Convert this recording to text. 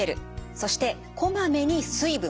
そしてこまめに水分。